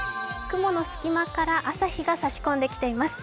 雲の隙間から朝日が差し込んできています。